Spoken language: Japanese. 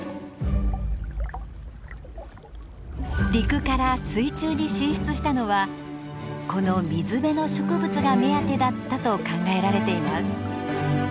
陸から水中に進出したのはこの水辺の植物が目当てだったと考えられています。